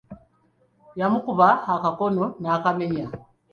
Yamukuba akakono n'akamenya.